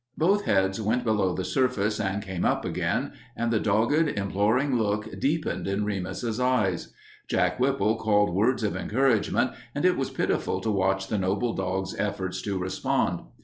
Both heads went below the surface and came up again, and the dogged, imploring look deepened in Remus's eyes. Jack Whipple called words of encouragement, and it was pitiful to watch the noble dog's efforts to respond.